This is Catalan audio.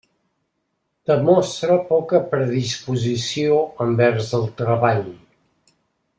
Demostra poca predisposició envers el treball.